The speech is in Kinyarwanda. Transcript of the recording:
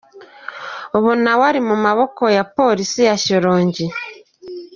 Ubu nawe ari mu maboko ya Polisi ya Shyorongi .